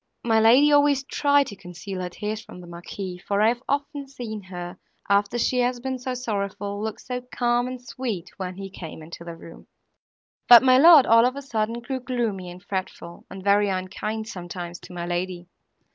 My lady always tried to conceal her tears from the Marquis, for I have often seen her, after she has been so sorrowful, look so calm and sweet, when he came into the room! But my lord, all of a sudden, grew gloomy and fretful, and very unkind sometimes to my lady.